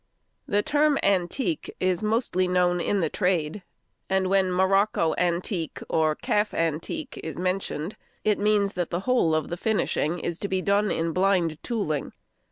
The term antique is mostly known in the trade; and when morocco antique or calf antique is mentioned, it means that the whole of the finishing is to be done in blind tooling.